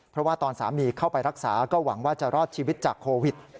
เพราะว่าตอนสามีเข้าไปรักษาก็หวังว่าจะรอดชีวิตจากโควิด